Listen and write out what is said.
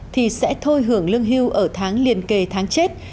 thì sẽ thôi hưởng lương hưu ở tháng liền kề tháng chết